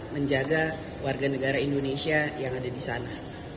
menjaga warga negara indonesia yang ada di sana